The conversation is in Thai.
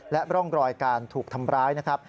และร่องรอยการถูกทำร้ายนะครับ